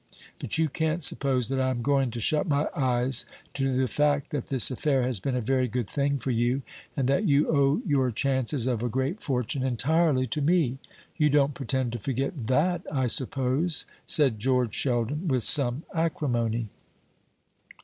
But you can't suppose that I am going to shut my eyes to the fact that this affair has been a very good thing for you, and that you owe your chances of a great fortune entirely to me? You don't pretend to forget that, I suppose?" said George Sheldon, with some acrimony.